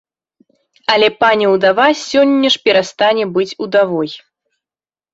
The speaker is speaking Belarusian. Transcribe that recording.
Але пані ўдава сёння ж перастане быць удавой.